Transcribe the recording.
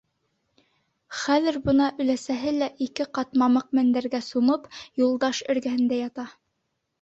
Хәҙер бына өләсәһе лә ике ҡат мамыҡ мендәргә сумып, Юлдаш эргәһендә ята.